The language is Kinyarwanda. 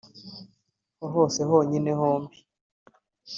ho hose honyine hombi -